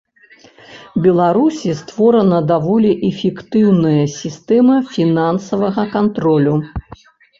Беларусі створана даволі эфектыўная сістэма фінансавага кантролю.